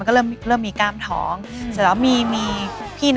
คือก่อนหน้านี้เนี่ย